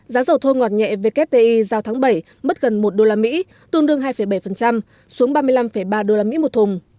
giá dầu thô ngọt nhẹ wti giao tháng bảy mất gần một usd tương đương hai bảy xuống ba mươi năm ba usd một thùng